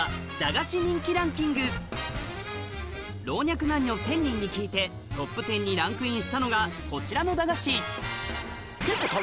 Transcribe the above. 老若男女１０００人に聞いてトップ１０にランクインしたのがこちらの駄菓子結構。